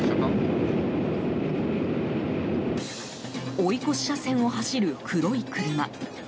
追い越し車線を走る黒い車。